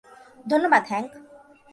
ধন্যবাদ, হ্যাংক!